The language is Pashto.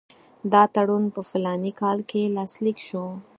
دا تړون په فلاني کال کې لاسلیک شو.